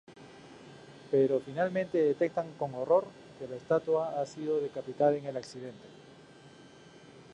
Pero finalmente detectan con horror que la estatua ha sido decapitada en el accidente.